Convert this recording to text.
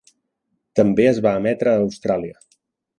També es va emetre a Austràlia.